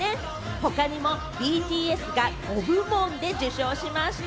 他にも、ＢＴＳが５部門で受賞しました。